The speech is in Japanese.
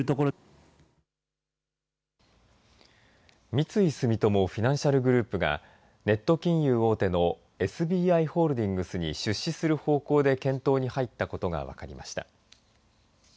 三井住友フィナンシャルグループがネット金融大手のＳＢＩホールディングスに出資する方向で検討に入ったことが分かりました。